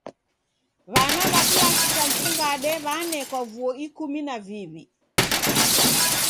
W'ana w'a kilasi cha mfungade w'anekwa vuo ikumi na viw'i.